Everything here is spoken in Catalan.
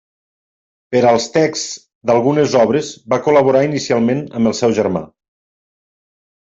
Per als texts d'algunes obres va col·laborar inicialment amb el seu germà.